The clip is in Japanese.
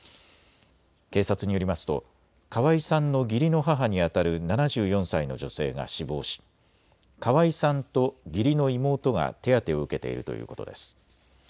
警察によりますと河井さんの義理の母にあたる７４歳の女性が死亡し河井さんと義理の妹が手当てを受けているということです。